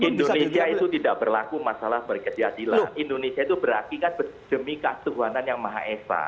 indonesia itu tidak berlaku masalah berkeciadilan indonesia itu berarti kan demi keastuhanan yang maha esa